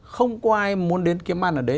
không có ai muốn đến kiếm ăn ở đấy